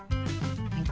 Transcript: はい。